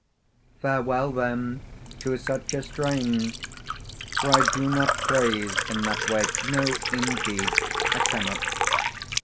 Farewell then to such a strain: for I do not praise in that way; no, indeed, I cannot.